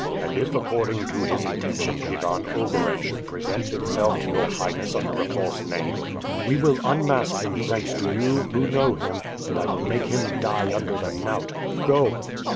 "And if according to his intention, Ivan Ogareff should present himself to your Highness under a false name?" "We will unmask him, thanks to you, who know him, and I will make him die under the knout. Go!"